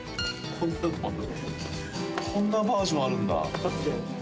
こんなバージョンあるんだ。